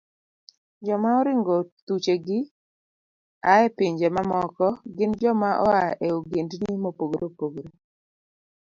Joma oringo thuchegi a e pinje mamoko gin joma oa e ogendni mopogore opogore